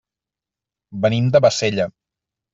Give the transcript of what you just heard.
Venim de Bassella.